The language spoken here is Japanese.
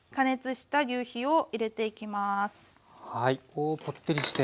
おぽってりして。